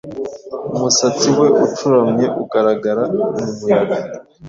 Umusatsi we ucuramye ugaragara mumuyaga